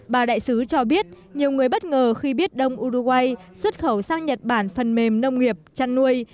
bà đại sứ cho biết nhiều người bất ngờ khi biết đông uruguay xuất khẩu sang nhật bản phần mềm nông nghiệp chăn nuôi